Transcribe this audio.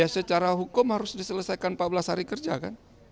secara hukum harus diselesaikan empat belas hari kerja kan